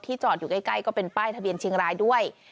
จอดอยู่ใกล้ก็เป็นป้ายทะเบียนเชียงรายด้วย